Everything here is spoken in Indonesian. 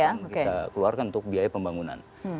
yang kita keluarkan untuk biaya pembangunan